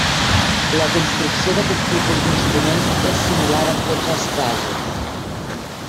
La construcció d'aquest tipus d'instruments és similar en tots els casos.